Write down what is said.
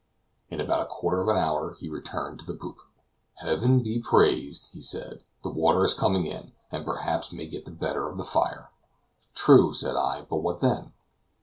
In about a quarter of an hour he returned to the poop. "Heaven be praised!" he said, "the water is coming in, and perhaps may get the better of the fire." "True," said I, "but what then?"